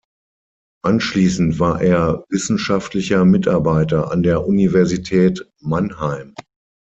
Anschließend war er wissenschaftlicher Mitarbeiter an der Universität Mannheim.